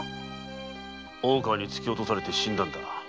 大川に突き落とされて死んだんだ。